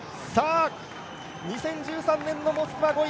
２０１３年のモスクワ５位